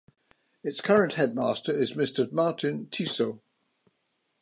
Its current Headmaster is Mr Martin Tissot.